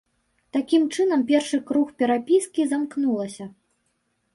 Такім чынам першы круг перапіскі замкнулася.